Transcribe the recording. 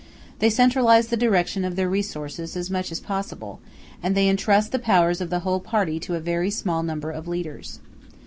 They centralize the direction of their resources as much as possible, and they intrust the power of the whole party to a very small number of leaders.